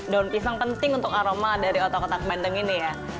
daun pisang penting untuk aroma dari otak otak bandeng ini ya